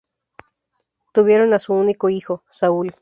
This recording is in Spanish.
Tuvieron a su único hijo Saúl.